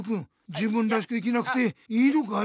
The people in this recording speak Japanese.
自分らしく生きなくていいのかい？